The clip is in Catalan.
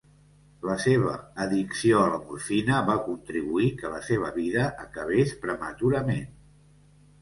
La seva addicció a la morfina va contribuir que la seva vida acabés prematurament.